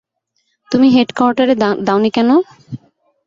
তুমি হেডকোয়ার্টারে দাওনি কেন?